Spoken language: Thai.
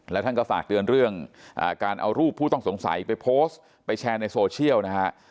และท่านก็ฝากเตือนเรื่องการเอารูปผู้ต้องสงสัยไปโพสต์ไปแชร์ในโซเชียลนะฮะ